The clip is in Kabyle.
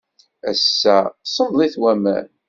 Ass-a, semmḍit waman.